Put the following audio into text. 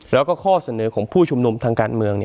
แล้วก็ข้อเสนอของผู้ชุมนุมทางการเมือง